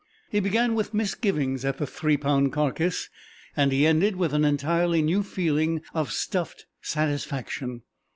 He began with misgivings at the three pound carcass, and he ended with an entirely new feeling of stuffed satisfaction.